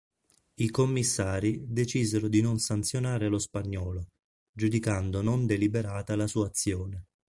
I commissari decisero di non sanzionare lo spagnolo, giudicando non deliberata la sua azione.